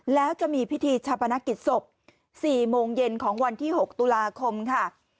แล้วจะมีพิธีชาปนกิจศพ๔โมงเย็นของวันที่๖ตุลาคมค่ะ